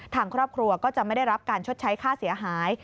ทางครอบครัวก็จะไม่ได้รับการชดใช้ค่าเสียหาย